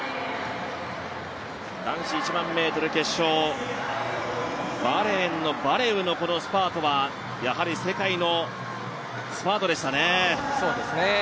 男子１００００ｍ決勝、バーレーンのバレウのこのスパートはやはり世界のスパートでしたね。